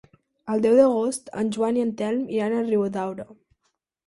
El deu d'agost en Joan i en Telm iran a Riudaura.